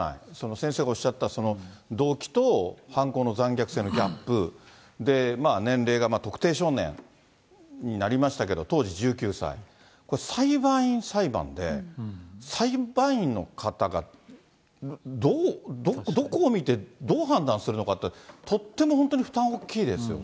先生がおっしゃった動機と犯行の残虐性のギャップ、年齢が特定少年になりましたけど、当時１９歳、これ、裁判員裁判で裁判員の方がどう、どこを見て、どう判断するのかって、とっても本当に負担が大きいですね。